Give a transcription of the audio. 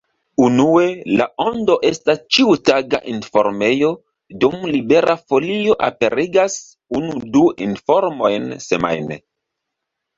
Unue, La Ondo estas ĉiutaga informejo, dum Libera Folio aperigas unu-du informojn semajne.